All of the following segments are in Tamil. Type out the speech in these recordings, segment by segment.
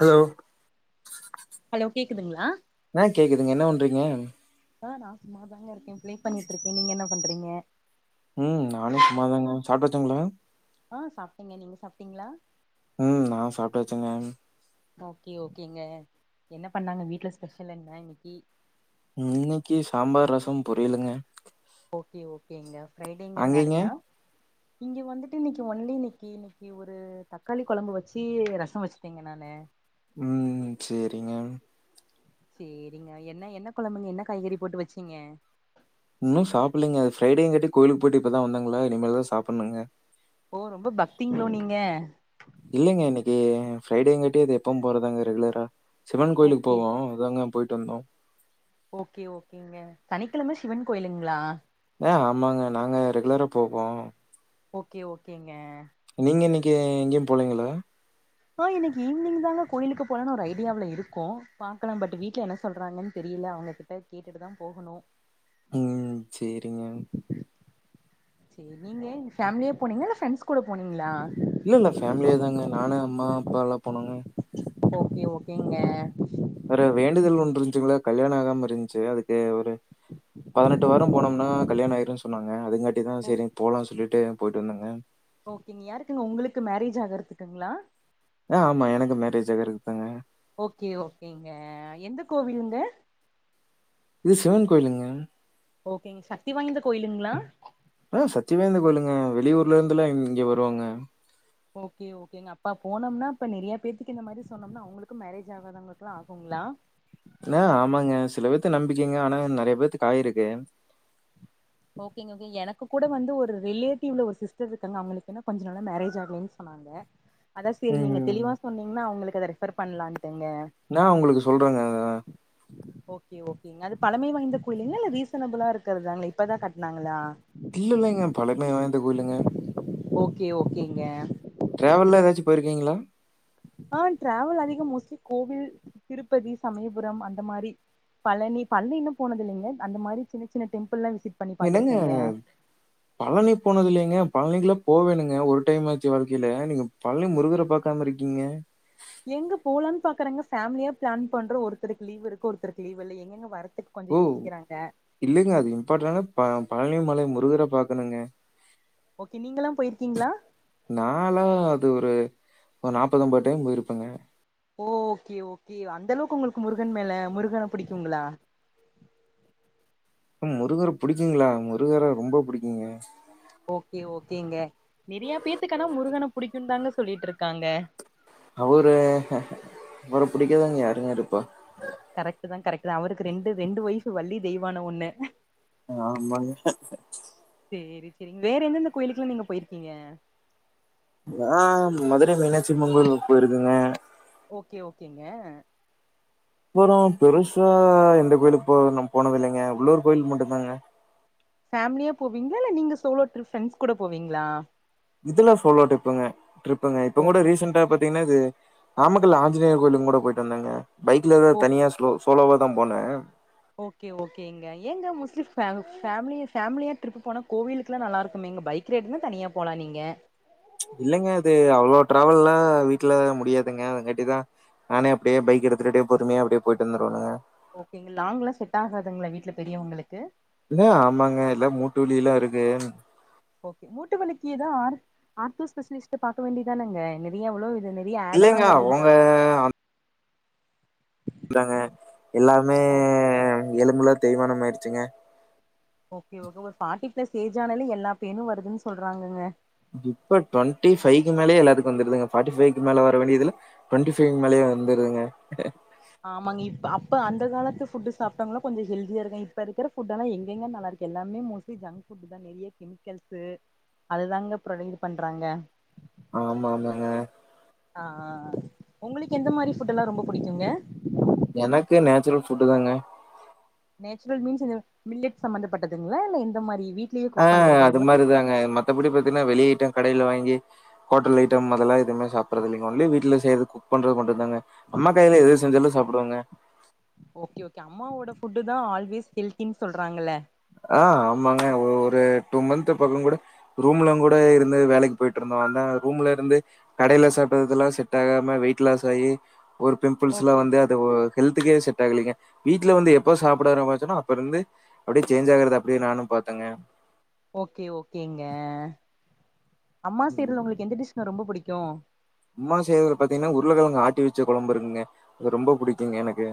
ஹலோ ஹலோ கேக்குதுங்ளா ஆ கேக்குதுங்க என்ன பண்றீங்க அ நா சும்மா தாங்க இருக்கே ப்ளே பண்ணிட்டுருக்கே நீங்க என்ன பண்றீங்க ம் நானு சும்மாதாங்க சாப்டாச்சுங்ளா ஆ சாப்டேங்க நீங்க சாப்ட்டீங்களா ம் நா சாப்டாச்சுங்க ஓகே ஓகேங்க என்ன பண்ணாங்க வீட்ல ஸ்பெஷல் என்ன இன்னக்கி இன்னக்கி சாம்பார் ரசம் பொறியலுங்க ஓகே ஓகேங்க அங்கங்க ஃப்ரைடேங்கிறனாலயா இங்கே வந்துட்டு இன்னைக்கி ஒன்லி இன்னக்கி இன்னை இன்னக்கி ஒரு தக்காளி கொழம்பு வச்சு ரசோ வச்சுட்டேங்க நானு ம் சேரிங்க சேரிங்க என்ன என்ன கொழம்புங்க என்ன காய்கறி போட்டு வச்சீங்க இன்னு சாப்பிலைங்க அது ஃபிரைடேங்காட்டி கோயிலுக்கு போய்ட்டு இப்பதா வந்தேங்களா இனிமேல் தா சாப்பிடனுங்க ஓ ரொம்ப பக்திங்களோ நீங்க இல்லைங்க இன்னைக்கி ஃப்ரைடேங்க காட்டி அது எப்போ போறதாங்க ரெகுலரா சிவன் கோயிலுக்கு ஓகே போவோ இப்பதாங்க போயிட்டு வந்தோ ஓகே ஓகேங்க சனிக்கெழம சிவன் கோயிலுங்களா ஏ ஆமாங்க நாங்க ரெகுலரா போவோ ஓகே ஓகேங்க நீங்க இன்னைக்கி எங்கேயு போலைங்களா ஆ இன்னக்கி ஈவினிங் தாங்க கோயிலுக்கு போலன்னனு ஒரு ஐடியாவில இருக்கோ பாக்கலாம் பட் பாக்கலா பட் வீட்ல என்ன சொல்றாங்கன்னு தெரில அவுங்க என்னனு கேட்டுட்டு தா போகணு ம் சேரிங்க செரி நீங்க ஃபேமிலியா போனீங்களா இல்ல ஃப்ரெண்ட்ஸ் கூட போனீங்களா இல்ல இல்ல ஃபேமிலியா தாங்க நானு அம்மா அப்பா எல்லா போனோங்க ஓகே ஓகேங்க ஒரு வேண்டுதல் ஒன்னு இருந்துச்சுங்களா கல்யானோ ஆகாம இருந்துச்சு அதுக்கு ஒரு பதினெட்டு வாரோ போனோம்னா கல்யானோ ஆயிடுனு சொன்னாங்க அதுங்காட்டி தா ஓ செரி போலான்னு சொல்லிட்டு போயிட்டு வந்தேங்க ஓகேங்க யாருக்குங்க உங்களுக்கு மேரேஜ் ஆகுறதுக்குங்களா ஆ ஆமா எனக்கு மேரேஜ் ஆகுறதுக்கு தாங்க ஓகே ஓகேங்க எந்த கோவிலுங்க இது சிவன் கோயிலுங்க ஓகேங்க சக்தி வாய்ந்த கோயிலுங்களா ஆ சத்திவாய்ந்த கோயிலுங்க வெளியூர்லேருந்துல்லா இங்க வருவாங்க ஓகே ஓகேங்க அப்பா போனோம்னா இப்போ நிறைய பேர்த்துக்கு இந்த மாரி சொன்னோம்னா அவங்களுக்குக்கும் மேரேஜ் ஆகாதவங்களுக்குலா ஆகுங்களா என்ன ஆமாங்க சில பேர்த்து நம்பிக்கங்க ஆனா நறைய பேர்த்துக்கு ஆயிருக்கு ஓகேங்க ஓகே எனக்கு கூட வந்து ஒரு ரிலேட்டிவ்ல ஒரு சிஸ்டர் இருக்காங்க அவுங்களுக்கு இன்னு கொஞ்ச நாளா மேரேஜ் ஆகலன்னு சொன்னாங் க அதா சேரி நீங்க ம். தெளிவா சொன்னீங்கன்னா அவுங்களுக்கு அத ரெஃபர் பண்ணலான்ட்டுங்க நா உங்களுக்கு சொல்றேங்க ஓகே ஓகேங்க அது பழமை வாய்ந்த கோயிலுங்கள இல்ல ரீசனபிளா இருக் க்கறதா இப்பதா கட்டுனாங்களா இல்ல இல்லங்க பழமை வாய்ந்த கோயிலுங்க ஓகே ஓகேங்க ட்ராவல்லா எதாச்சு போய்ருக்கிங்களா ஆ டிராவல் அதிகோ மோஸ்ட்லி கோவில் திருப்பதி சமயபுரம் அந்த மாரி பழனி பழனி இன்னு போனதுல்லங்க அந்த மாரி சின்ன சின்ன டெம்புள்லா விசிட் பண்ணி என்னங்க பாத்துருக்கேங்க பழனி போனதுல்லைங்க பழனிக்குலா போவேணுங்க ஒரு டைம் ஆச்சு வாழ்க்கையில நீங்க பழனி முருகர பாக் காம இருக்கீங்க எங்க போலான்னு பாக்குறங்க ஃபேமிலியா பிளான் பண்றோ ஒருத்தருக்கு லீவ் இருக்கு ஒருத்தரு லீவ் இல்லங்க எங்கங்க வரதுக்கு கொஞ்சோ ஓ! யோசிக்கிறாங்க இல்லங்க அது இம்பார்ட்டரான ப பழனி மலை முருகன பாக்கணுங்க ஓகே நீங்கல்லா போயிருக்கீங்களா நாலா அது ஒரு ஒரு நாப்பது அம்பது டைம் போயிருப்பேங்க ஓகே ஓகே அந்தளவுக்கு உங்களுக்கு முருகன் மேல முருகன புடிக்குங்களா ம் முருகர புடிக்குங்களா முருகர ரொம்ப புடிக்குங்க ஓகே ஓகேங்க நிறையா பேர்த்துக்கு ஆனா முருகன புடிக்குன்னு தாங்க சொல்லிட்டு இருக்காங்க அவரு அவர பிடிக்காதவங்க யாருங்க இருப்பா கரெக்டடு தா கரக்ட்டுஸதா அவருக்கு ரெண்டு ஒய்ஃபு வள்ளி தெய்வான ஒண்ணு ஆமாங்க சேரி சரி வேற எந்தெந்த கோயிலுக்குல்லா நீங்க போயிருக்கீங்க நா மதுரை மீனாட்சியம்மன் கோயிலுக்கு போயிருக்கேங்க ஓகே ஓகேங்க அப்பறௌ பெருசா எந்த கோயிலுக்கு போ நம்ம போனது இல்லங்க உள்ளூர் கோயிலுக்கு மட்டு தாங்க ஃபேமிலியா போவீங்களா இல்ல நீங்க சோலோ ட்ரிப் ஃப்ரெண்ட்ஸ் கூட போவீங்களா இதுலா சோலோ ட்ரிப்புங்க ட்ரிப்புங்க இப்பங் கூட ஓகே ரீசெண்டா பத் திங்னா இது நாமக்கல் ஆஞ்சநேயர் கோயிலு கூட போயிட்டு வந்தாங்க பைக்ல ஓ ஏதாவது தனியா ஸ்லோ சோலோவா தா போனே ஓகே ஓகே எங்க லங்க மோஸ்ட்லி ஓகே ஓகாலஞ வந்த வ்ஃபேம் ஃபேமிலி ஃபேமிலியாக ட்ரிப் போனா கோவிலுக்குலா நல்லருக்குமேங்க பைக் ல்லாஐ தனியா போலா நீங்க இல்லங்க அது அவ்வளோ டிரவல்லா வீட்ல முடியாதுங்க அதுக்காட்டி தா டவ் னப்கான்டிதானனனல நானே அப்டியே ஹ்ழ்வ்ல்பைக் எடுத்துட்டே பொறுமையா அப்டியே போயிட்டு வந்துருவேங்க ஓகேங்க லாங்லா செட் ஆகாதுங்களா வீட்ல பெரியவங்களுக்கு இல்ல ஆமாங்க எல்லா மூட்டு வலிலாருக்கு ஓகே மூட்டு வலிக்கு தா ஆரூ ஆர்த்தோ ஸ்பெஷலிஸ்ட்ட பாக்க வேண்டி தானங்க நிறைய எவ்ளோவு இது நெறைய ஆடெல்லா இல்லங்க வருது [unintelligible] அவங்க இந்தாங்க எல்லாமே ஓ எலும்புலா தேய்மானம் ஆயிச்சுங்க ஓகே ஓகே ஒரு ஃபாட்டிப்ளஸ் ஏஜ் ஆனாலே எல்லா பெய்னு வருதுன்னு சொல்றாங்கங்க இப்ப டுவெண்டி ஃபைவ்கக்கு மேலயே எல்லாத்துக்கு வந்துடுதுங்க ஃபார்டிஃபைக்கு மேல வர வேண்டியதுல்லா ட்வெண்டி ஃபைவ்க்கு மேலயே வந்துருதுங்க ஆமாங்க இப்ப அப்ப அந்த காலத்து ஃபுட்டு சாப்ட்டவுங்களா கொஞ்சோ ஹெல்தியா இருக்காங்க இப்ப இருக்குற ஃபுட்டெல்லா எங்கங்க நல்லா இருக்கு எல்லாமே மோஸ்ட்லி ஜங்க் ஃபுட்டு தா நெறைய கெமிக்கல்ஸு அது தாங்க ப்ரொடைட் இது பண்றாங்க ஆமா ஆமாங்க ஆ ஆ ஆ உங்களுக்கு எந்த மாரி ஃபுட்டெல்லா ரொம்ப புடிக்குங்க எனக்கு நேச்சுரல் ஃபுட்டு தாங்க நேச்சுரல் மீன்ஸ் இந்த மில்லட் சம்பந்தப்பட்டதுங்களா இல்ல எந்த மாரி வீட் ஆ அது மாரிதாங்க மத்தபடி பாத்தீங்கன்னா வெளி ஐட்டம் கடையில வாங்கி ஹோட்டல் ஐட்டம் அதெல்லா எதுவுமே சாப்புட்றது இல்லைங்க ஒன்லி வீட்ல செய்றது குக் பண்றது மட்டுந்தாங்க அம்மா கையில எது செஞ்சாலும் சாப்டுவங்க ஓகே ஒகே அம்மாவோட ஃபுட்டு தா ஆல்வேஸ் ஹெல்தின் சொல்றாங்கல்ல ஆ ஆமாங்க ஒரு டூ மந்த் பக்கங் கூட ரூம்லங் கூட இருந்து வேலைக்கு போயிட்டு இருந்தோ அதா ரூம்ல இருந்தே கடையில சாப்புட்றதெல்லா செட் ஆகாம வெயிட் லாஸ் ஆகி ஒரு பிம்பிள்ஸ்ல்லா ஓகே வந்து த ஓ ஹெல்துகே செட் ஆகலைங்க வீட்ல வந்து எப்ப சாப்புட ஆரமிச்சனோ அப்ப இருந்து சேஞ் ஆகுறது அப்டடியே நானு பாத்தேங்க ஓகே ஓகேங்க அம்மா செய்றதுல ம். உங்களுக்கு எந்த டிஷ்ங்க ரொம்ப புடிக்கும் அம்மா செய்றதுல பாத்தீங்கன்னா உருளக்கெழங்கு ஆட்டி வச்ச கொழம்பு இருக்குங்க அது ரொம்ப புடிக்குங்க எனக்கு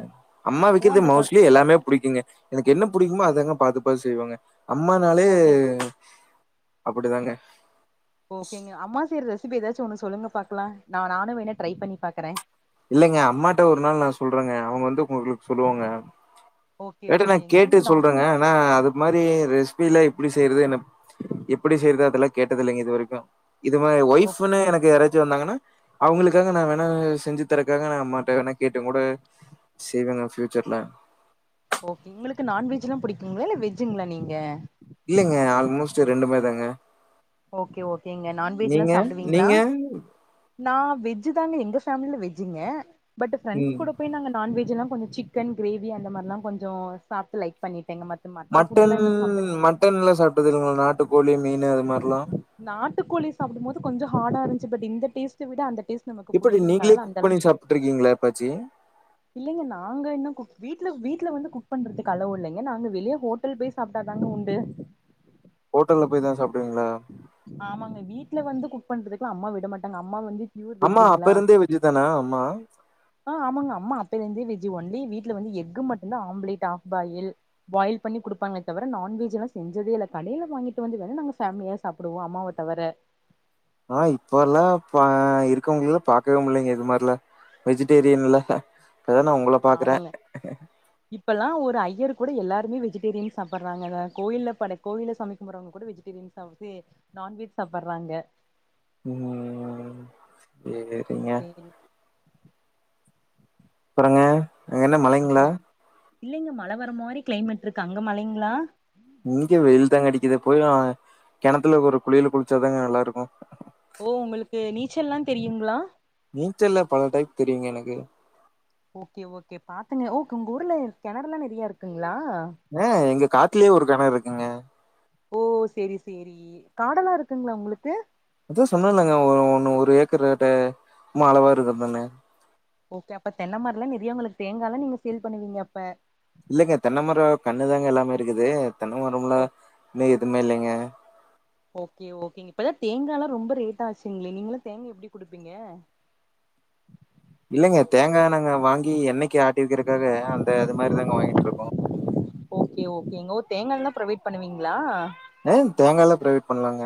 அம்மா ஓ வைக்கிறது அந்த கொழ மோஸ்ட்லி எல்லாமே புடிக்குங்க எனக்கு என்ன புடிக்குமோ அதாங்க பாத்து பாத்து செய்வாங்க அம்மானாலே ஓகே அப்டிதாங்க ஓகேங்க அம்மா செய்ற ரெசிபி ஏதாச்சு ஒன்னு சொல்லுங்க பாக்கலா நா நானும் வேணா ட்ரை பண்ணி பாக்கற இல்லைங்க அம்மாட்ட ஒரு நாள் நா சொல்றங்க அவுங்க வந்து உங்களுக்கு சொல்லுவாங்க ஓகே இல்லாட்டி நா ஓகேங்க கேட்டே நீங்க நா சொல்றங்க ஆனா அது மாரி ரெசிபில்லா எப்டி செய்றது என்ன எப்டி செய்றது அதெல்லா கேட்டதில்லைங்க இது வரைக்கு இது மாரி ஓ ஒய்ஃப்ன்னு எனக்கு யாராச்சும் வந்தாங்கன்னா அவுங்களுக்காக நா வேணா செஞ்சு க்த்தறக்காக நா அம்மாட்ட வேணா கேட்டும் கூட செய்வேங்க ஃபியூச்சர்ல ஓகே உங்களுக்கு நான்வெஜ்ல்லா பிடிக்குங்களா இல்ல வெஜ்ஜுங்களா நீங்க இல்லைங்க ஆல்மோஸ்ட் ரெண்டுமே தாங்க ஓகே ஓகேங்க நான்வெஜ்லா நீங்க? சாப்டுவீங்களா நீங்க? நா வெஜ்ஜு தாங்க எங்க ஃபேமிலில வெஜ்ஜுங்க பட் ஃப்ரெண்ட்ஸ் ம். கூட போய் நாங்க நான்வெஜ்லா கொஞ்சோ சிக்கன் கிரேவி அந்த மாரிலா கொஞ்சோ சாப்ட்டு லைக் பண்ணிட்டேங்க மத் மட்டன் மட்டன்ல்லா சாப்ட்டது இல்லங்க நாட்டுக்கோழி மீன் அது மாரில்லா நாட்டுக்கோழி சாப்டும்போது கொஞ்சம் ஹார்டா இருந்துச்சி பட் இந்த டேஸ்ட்ட விட அந்த டேஸ்ட் நமக்கு இப்டி புடிக்கலங்க நீங்களே அதனால குக் அந்த பண்ணி சாப்ட்டுருக்கீங்களா எப்பாச்சி இல்லைங்க நாங்க இன்னு குக்அ வீட்டுல வீட்ல வந்து குக் பண்றதுக்கு அலோ இல்லைங்க நாங்க வெளிய ஹோட் டல் போய் சாப்ட்டாதாங்க உண்டு ஹோட்டல்ல போய் தா சாப்டுவீங்களா ஆமாங்க வீட்ல வந்து குக் பண்றதுக்குல்லா அம்மா விட மாட்டாங்க அம்மா வந்து ப்யூர் அம்மா அப்ப வெஜ்ஜுங்ளா இருந்தே வெஜ் தானா அம்மா? ஆ ஆமாங்க அம்மா அப்பயில இருந்தே வெஜ்ஜு ஒன்லி வீட்ல வந்து எஃகு மட்டுதா ஆம்லேட் ஆஃப்பாயில் பாயில் பண்ணி குடுப்பாங்க தவிர நான்வெஜில்லா செஞ்சதே இல்ல கடையில வாங்கிட்டு வந்து வேணா நாங்க ஃபேமிலியா சாப்டுவோ அம்மாவ தவர ஆ இப்பல்லா பா இருக்கவங்களல்ல பாக்கவே முல்லேங்க இது மாரிலா வெஜிடேரியன்ல்ல இப்பதா நா ஒங் ஆமாங்க இப்பல்லா ஒரு ஐயரு கூட எல்லாருமே வெஜிடேரியன் சாப்பறாங்கதா கோயில்ல பட கோவில்ல சாமி கும்பறவங்க கூட வெஜிடேரியன் சப் சே நான்வெஜ் சாப்பறாங்க ம் சேரிங்க சேரி அப்பறங்க அப்றோ இல்லங்க மழ வர மாரி கிளைமேட் இருக்கு அங்க மழைங்கிளா இங்க வெயில் தாங்க அடிக்கிது போயிலா வாங்க கெணத்துல ஒரு குளியல குளிச்சாதாங்க நல்லா இருக்கும் ஓ உங்களுக்கு நீச்சல்ல்லா தெரியுங்ளா நீச்சல்ல பல டைப் தெரியுங்க எனக்கு ஓகே ஓகே பாத்துங்க ஓக் உங்க ஊர்ல கெணறுல்லா நறையா இருக்குங்கிளா ஆ எங்க காட்லயே ஒரு கெணறு இருக்குங்க ஓ செரி சேரி காடல்லா இருக்குங்கிளா உங்களுக்கு அதா சொன்ன இல்லங்க ஒ ஒன்னு ஒரு ஏக்கர் ரட்ட மா அளவா இருக்குதுன்னு ஓகே அப்ப தென்ன மரலாம் நெறியா உங்களுக்கு தேங்காலா நீங்க சேல் பண்ணுவீங்க அப்ப இல்லங்க தென்னமரம் கண்ணுதாங்க எல்லாமே இருக்குது தென்ன மரம்ல ஓ இன்னு எதுமே இல்லைங்க ஓகே ஓகேங்க இப்பதா தேங்காலா ரொம்ப ரேட்டா ஆச்சிங்கிளே நீங்கலா தேங்கா எப்டி குடுப்பீங்க இல்லங்க தேங்கா நாங்க வாங்கி எண்ணைக்கு ஆட்டி வக்கிறக்காக அந்த அது மாரி தாங்க வாங்கிட்டுருக்கோம் ஓகே ஓகே எங்க ஊர் தேங்கா எல்லா ப்ரொவைட் பண்ணுவீங்கிளா ஆ தேங்கா எல்லாம் புரவைட் பண்லாங்க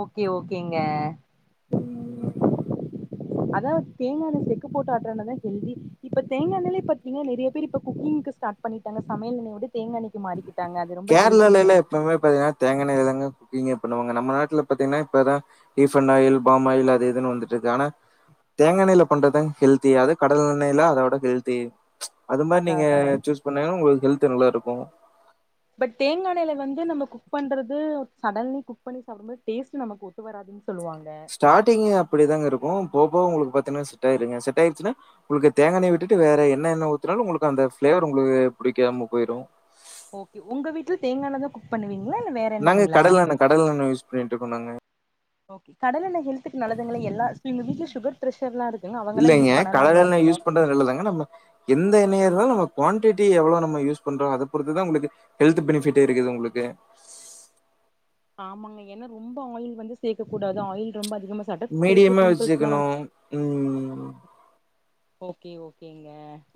ஓகே ஓகேங்க ம் அதா தேங்கா எண்ண செக்கு போட்டு ஆட்றனாலதா ஹெல்தி இப்ப தேங்கா எண்ணைலே பாத்தீங்கனா நெறையா பேரு இப்ப குக்கிங்கு ஸ்டாட் பண்ணிட்டாங்க சமையல் எண்ணையோடு தேங்கா எண்ணை கேரளால எல்லாம் எப்பவுமே பாத்தீங்கனா தேங்கா எண்ணையில தாங்க குக்கிங்கே பண்ணுவாங்க நம்ம நாட்டுல பாத்தீங்கன்னா இப்பதா ஈஃபன் ஆயில் பாம் ஆயில் அது இதுன்னு வந்துட்டு இருக்கு ஆனா தேங்க எண்ணையில பண்றதாங்க ஹெல்த்தியே அதே கடல் எண்ணையில அதோட ஹெல்த்தி அது மாரி அதா நீங்க அதாங்க சூஸ் பண்ணங்கின்னா உங்களுக்கு ஹெல்த்து நல்லா இருக்கும் பட் தேங்கா எண்ணையில வந்து நம்ம குக் பண்றது சடன்லி குக் பண்ணி சாப்படம்போது டேஸ்ட்டு நமக்கு ஒத்து வராது சொல்லுவாங்க ஸ்டாடிங்கே அப்டிதாங்க இருக்கும் போவ போவ உங்களுக்கு பாத்தீன்னா செட் ஆயிருங்க செட் ஆயிருச்சின்னா உங்களுக்கு தேங்கா எண்ணைய விட்டுட்டு வேற என்ன எண்ண ஊத்தனாலும் உங்களுக்கு அந்த பிளேவர் உங்களுக்கு புடிக்காம போயிடும் ஓகே ஒங்க வீட்ல தேங்கா எண்ணதா குக் பண்ணுவீங்ளா இல்ல வேற நாங்க எண்ணெய்ங்களா கடல் எண்ண கடல் எண்ண யூஸ் பண்ணிட்டு இருக்கோம் நாங்க ஓகே கடல் எண்ண ஹெல்த்துக்கு நல்லதுங்கிளே எல்லா ஸ்கீம் இருந்து சுகர் பிரஷர்லாம் இருக்குங்க அவங்களா யூஸ் பண்ணலாங்களா இந்த எண்ண ண்டோ நல்லதாங்க நம்ம எந்த எண்ணயா இருந்தாலு நம்ம குவான்டிட்டி எவ்ளோ நம்ம யூஸ் பண்றோம் அத பொறுத்து தா உங்களுக்கு ஹெல்த்து பெனிபிட்டே இருக்குது உங்களுக்கு ஆமாங்க ஏனா ரொம்ப ஆயில் வந்து சேக்க கூடாது ஆயில் ரொம்ப அதிகமா சாப்ட்டா ஃபேஸ்ல மீடியமா பிம்பிள்ஸ்லா வந்து வச்சிக்கனும் ம் ஓகே ஓகேங்க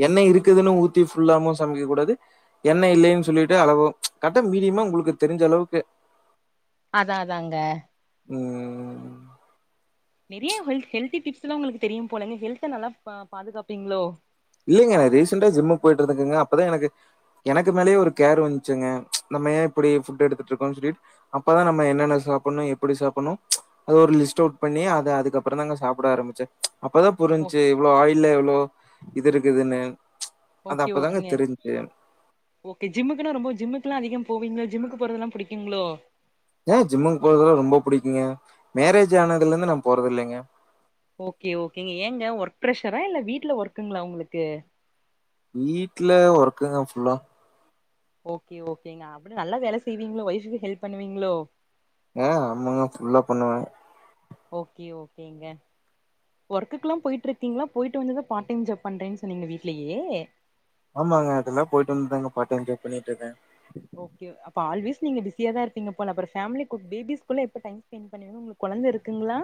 எண்ண இருக்குதுன் ஊத்தி ஃபுல்லாமு சமைக்க கூடாது என்ன இல்லைன் சொல்லிட்டு அளவோ கட்டு மீடியமா உங்களுக்கு தெரிஞ்ச அளவுக்கு அதா அதாங்க ம் நெறையா ஹெல்த் ஹெல்தி டிப்ஸ்லா உங்களுக்கு தெரியும் போலங்க ஹெல்த நல்லா பா பாதுகாப்பீங்ளோ இல்லங்க ரீசண்டா ஜிம்முக்கு போயிட்டு இருக்கதுங்க அப்பதா எனக்கு எனக்கு மேலயே ஒரு கேர் வந்ச்சுங்க நம்ம ஏ இப்டி ஃபுட்ட எடுத்துட் இருக்கோன் சொல்லிட்டு அப்பதா நம்ம என்னென்ன சாப்பிட்ணு எப்படி சாப்பிட்ணு அது ஒரு லிஸ்ட் அவுட் பண்ணி அது அதுக்கப்புறந்தாங்க சாப்பிட ஆரம்பிச்சே அப்பதா ஓ புரிஞ்ச்சு இவ்வளோ ஆயில்ல எவ்ளோ இது இருக்குதுன்னு அது ஓகே அப்பதாங்க ஓகேங்க தெரிஞ்சுச்சு. ஓகே ஜிம்முக்குன்னா ரொம்ப ஜிம்முக்குல்லா அதிகோ போவீங்ளோ ஜிம்முக்கு போறதெல்லா புடிக்குங்ளோ ஏ ஜிம்முக்கு போறதுலா ரொம்ப புடிக்குங்க மேரேஜ் ஆனதுல இருந்து நா போறது இல்லைங்க ஓகே ஓகேங்க ஏங்க ஒர்க் ப்ரஷரா இல்ல வீட்ல ஒர்க்குங்ளா உங்ளுக்கு வீட்ல ஒர்க்குங்க ஃபுல்லா ஓகே ஓகேங்க அப்டி நல்லா வேல செய்வீங்ளோ வொய்ஃபுக்கு ஹெல்ப் பண்ணுவீங்ளோ அ ஆமாங்க ஃபுல்லா பண்ணுவே ஓகே ஓகேங்க ஒர்க்குக்லா போயிட்ருக்கீங்ளா போயிட்டு வந்துதா பார்ட் டைம் ஜாப் பண்றே சொன்னீங்க வீட்லயே ஆமாங்க அதுலா போயிட்டு வந்துதாங்க பார்ட் டைம் ஜாப் பண்ணிட்ருக்கே ஓகே அப்ப ஆல்வேஸ் நீங்க பிஸியாதா இருப்பீங்க போல அப்பறோ ஃபேமலிக்கு பேபி்ஸ்குள்ள எப்போ டைம் ஸ்பெண்ட் பண்ணுவீங்க உங்குளுக் கொழந்த இருக்குங்ளா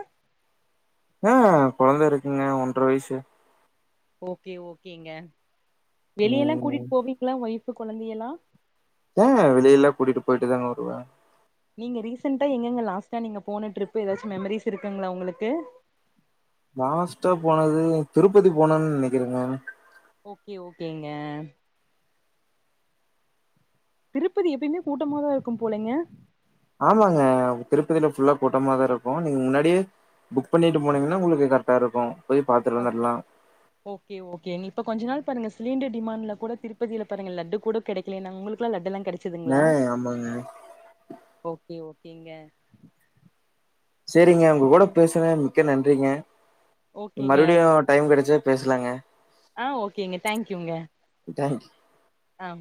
ஆ கொழந்த இருக்குங்க ஒன்ற வயிசு ஓகே ஓகேங்க வெளியல்லா ம் கூட்டிட்டு போவீங்ளா ஒய்ஃபு கொழந்தையெல்லா ஆ வெளியெல்லா கூட்டிட்டு போயிட்டு தாங்க வருவே நீங்க ரீசெண்ட்டா எங்கங்க லாஸ்ட்டா நீங்க போன ட்ரிப்பு எதாச்சு மெமரிஸ் இருக்குங்ளா உங்களுக்கு லாஸ்ட்டா போனது திருப்பதி போனன் நெனைக்கிறேங்க ஓகே ஓகேங்க திருப்பதி எப்பயுமே கூட்டமாதா இருக்கும் போலைங்க ஆமாங்க திருப்பதியில ஃபுல்லா கூட்டமாதா இருக்கு நீங்க முன்னாடியே புக் பண்ணிட்டு போனீங்ன்னா உங்களுக்கு கரக்டா இருக்கு போய் பாத்துட்டு ஓகே வந்துர்லா ஓகே ஓகே நீ இப்ப கொஞ்ச நாள் பாருங்க சிலிண்டர் டிமாண்டுல கூட திருப்பதில பாருங்க லட்டு கூட கெடைக்கலேன்னாங்க உங்களுக்குலா லட்டெல்லா கெடச் சுதுங்ளா ஆ ஆமாங்க ஓகே ஓகேங்க செரிங்க உங்க கூட பேசுனது மிக்க நன்றிங்க ஓகேங்க மறுபடியு டைம் கெடச்சா பேசலாங்க ஆ ஓகேங்க தேங்க்யூங்க தேங்க் ஆம்